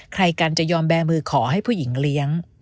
ใครกันจะยอมแบร์มือขอให้ผู้หญิงเลี้ยง